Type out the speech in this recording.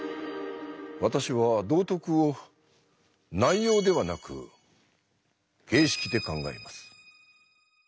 私は道徳を「内容」ではなく「形式」で考えます。